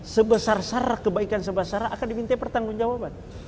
sebesar sara kebaikan sebesar sara akan diminta pertanggung jawaban